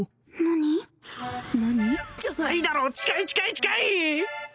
何？じゃないだろ近い近い近い！